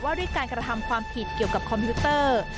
ด้วยการกระทำความผิดเกี่ยวกับคอมพิวเตอร์